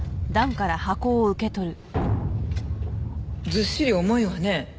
ずっしり重いわね。